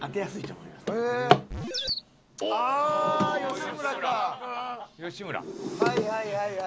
はいはいはいはいはい。